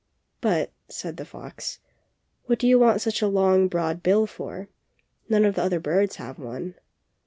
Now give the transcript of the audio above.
^^But," said the fox, "what do you want such a long, broad bill for? None of the other birds have one."